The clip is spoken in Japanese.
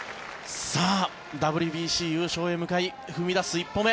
ＷＢＣ優勝へ向かい踏み出す一歩目。